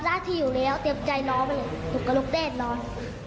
หน้าที่อยู่แล้วเตรียมใจล้อไปเลยถูกกระลุกเต้นนอน